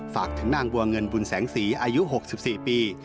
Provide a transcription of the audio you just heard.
ฝากถึงนางบัวเงินบุญแสงสีอายุ๖๔ปี